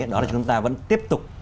đó là chúng ta vẫn tiếp tục